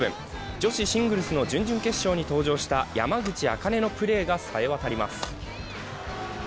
女子シングルスの準々決勝に登場した山口茜のプレーがさえ渡ります。